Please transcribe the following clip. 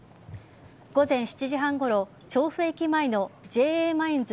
午前７時半ごろ調布駅前のＪＡマインズ